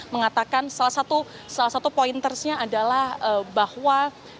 mengatakan salah satu pointersnya adalah bahwa